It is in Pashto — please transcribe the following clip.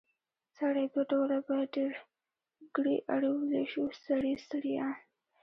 سړی دوه ډوله په ډېرګړي اړولی شو؛ سړي، سړيان.